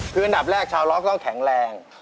เพื่อนอันดับแรกชาวร็อกต้องแข็งแรง